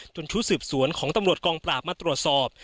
ชุดสืบสวนของตำรวจกองปราบมาตรวจสอบ